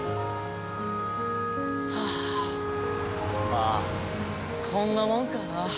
まあこんなもんかな。